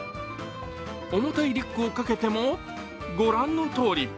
重たいリュックを掛けてもご覧のとおり。